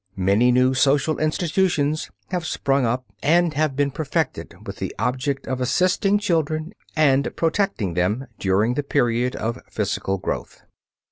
Many new social institutions have sprung up and have been perfected with the object of assisting children and protecting them during the period of physical growth.